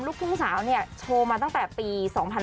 ลูกทุ่งสาวเนี่ยโชว์มาตั้งแต่ปี๒๕๕๙